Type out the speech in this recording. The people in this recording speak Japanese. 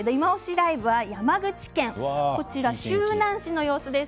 ＬＩＶＥ」は山口県周南市の様子です。